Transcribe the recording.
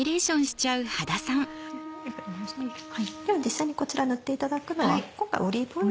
では実際にこちら塗っていただくのは今回オリーブオイル。